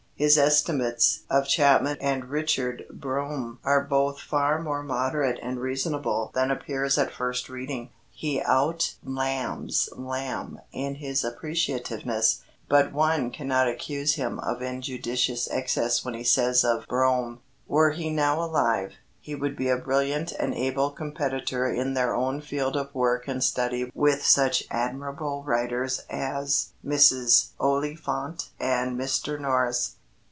His estimates of Chapman and Richard Brome are both far more moderate and reasonable than appears at first reading. He out Lambs Lamb in his appreciativeness; but one cannot accuse him of injudicious excess when he says of Brome: Were he now alive, he would be a brilliant and able competitor in their own field of work and study with such admirable writers as Mrs. Oliphant and Mr. Norris.